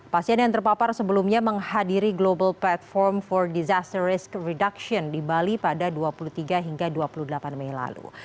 pasien yang terpapar sebelumnya menghadiri global platform for disaster risk reduction di bali pada dua puluh tiga hingga dua puluh delapan mei lalu